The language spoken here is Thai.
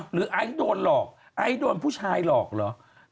หรือไอ้โดนหลอกไอ้โดนผู้ชายหลอกหรือ